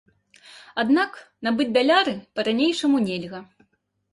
Аднак набыць даляры па-ранейшаму нельга.